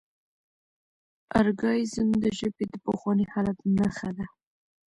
ارکائیزم د ژبې د پخواني حالت نخښه ده.